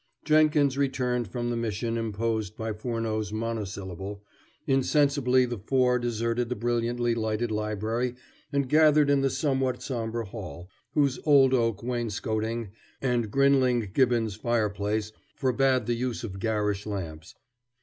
Jenkins returned from the mission imposed by Furneaux's monosyllable, insensibly the four deserted the brilliantly lighted library and gathered in the somewhat somber hall, whose old oak wainscoting and Grinling Gibbons fireplace forbade the use of garish lamps.